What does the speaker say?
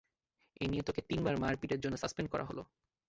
এই নিয়ে তোকে তিনবার মারপিটের জন্য সাসপেন্ড করা হলো।